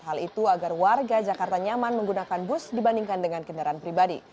hal itu agar warga jakarta nyaman menggunakan bus dibandingkan dengan kendaraan pribadi